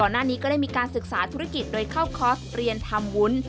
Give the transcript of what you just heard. หน้านี้ก็ได้มีการศึกษาธุรกิจโดยเข้าคอร์สเรียนทำวุ้น